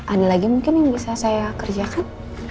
ada lagi mungkin yang bisa saya kerjakan